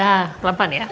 ya perlamban ya